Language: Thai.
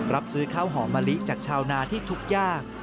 รับซื้อข้าวหอมมะลิจากชาวนาที่ทุกข์ยาก